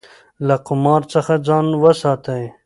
له قمار څخه ځان وساتئ.